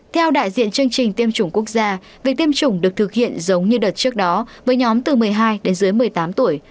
theo đại diện chương trình tiêm chủng quốc gia việc tiêm chủng được thực hiện giống như đợt trước đó với nhóm từ một mươi hai đến dưới một mươi tám tuổi